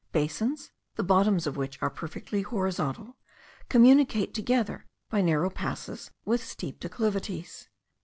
Basins, the bottoms of which are perfectly horizontal, communicate together by narrow passes with steep declivities.